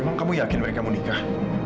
memang kamu yakin mereka mau nikah